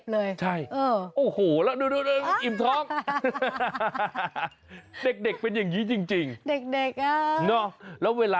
แล้วก็รีบเก็บเลย